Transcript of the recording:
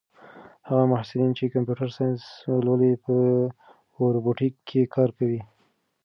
هغه محصلین چې کمپیوټر ساینس لولي په روبوټیک کې کار کوي.